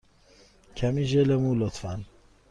کمی ژل مو، لطفا.